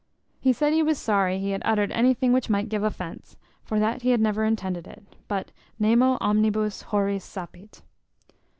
He said, he was sorry he had uttered anything which might give offence, for that he had never intended it; but Nemo omnibus horis sapit.